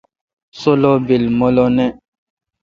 سولو بیل مہ لو نہ۔